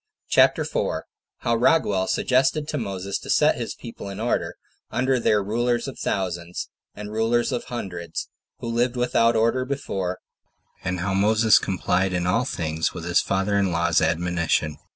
CHAPTER 4. How Raguel Suggested To Moses To Set His People In Order, Under Their Rulers Of Thousands, And Rulers Of Hundreds, Who Lived Without Order Before; And How Moses Complied In All Things With His Father In Law's Admonition.